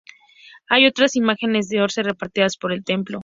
Hay otras imágenes de Orce repartidas por el templo.